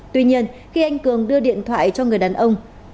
tuy nhiên khi anh cường đưa điện thoại cho người đàn ông